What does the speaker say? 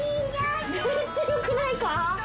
めっちゃ良くないか。